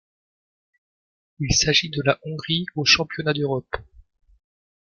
Il s'agit de la de la Hongrie aux Championnats d'Europe.